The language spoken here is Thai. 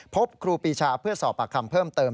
พบครูปีชาเพื่อสอบปากคำเพิ่มเติม